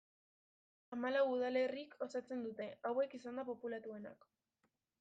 Hamalau udalerrik osatzen dute, hauek izanda populatuenak.